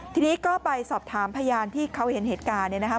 ทีนี้ก็ไปสอบถามพยานที่เขาเห็นเหตุการณ์เนี่ยนะครับ